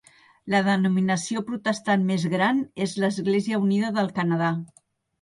La denominació protestant més gran és l'Església Unida del Canadà.